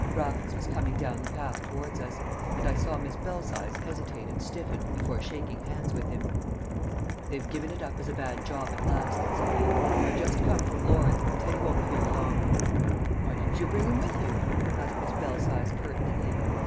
Raffles was coming down the path towards us. And I saw Miss Belsize hesitate and stiffen before shaking hands with him. "They've given it up as a bad job at last," said he. "I've just come from Lord's, and Teddy won't be very long." "Why didn't you bring him with you?" asked Miss Belsize pertinently.